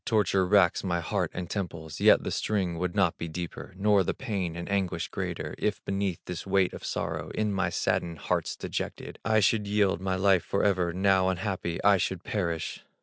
Torture racks my heart and temples, Yet the sting would not be deeper, Nor the pain and anguish greater, If beneath this weight of sorrow, In my saddened heart's dejection, I should yield my life forever, Now unhappy, I should perish!